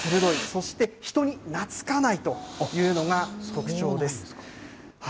そして人に懐かないというのが特徴です。